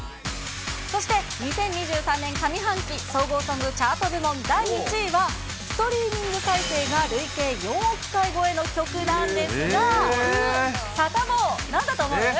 そして２０２３年上半期総合ソング・チャート部門第１位は、ストリーミング再生が累計４億回超えの曲なんですが、サタボー、なんだと思う？